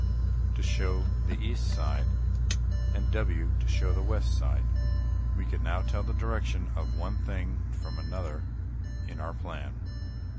to show the east side, and W. to show the west side. We can now tell the direction of one thing from another in our plan.